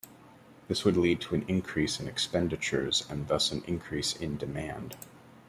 This would lead to an increase in expenditures and thus an increase in demand.